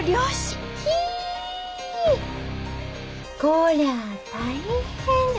こりゃ大変。